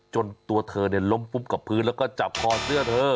จนตัวเธอเนี่ยล้มปุ๊บกับพื้นแล้วก็จับคอนเสื้อเธอ